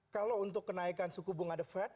kalau untuk kenaikan suku bunga the fed